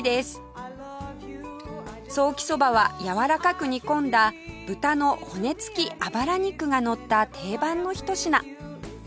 ソーキそばはやわらかく煮込んだ豚の骨付きあばら肉がのった定番のひと品